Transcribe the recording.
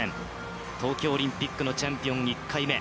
東京オリンピックのチャンピオン、１回目。